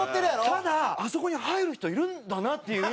ただあそこに入る人いるんだなっていう。